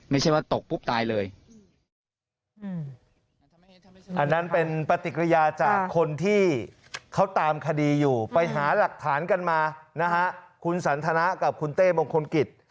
ไม่ใช่ว่าตกปุ๊บตายเลย